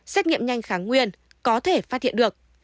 xét nghiệm nhanh kháng nguyên có thể phát hiện được